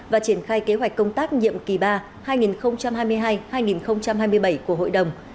và triển khai kế hoạch công tác nhiệm kỳ ba hai nghìn hai mươi hai hai nghìn hai mươi bảy của hội đồng